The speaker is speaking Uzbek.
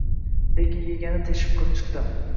Lekin yegani teshib chiqdi.